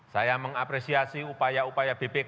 saya mengapresiasi upaya upaya bpk untuk memberikan informasi temuan